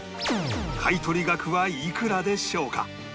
買取額はいくらでしょうか？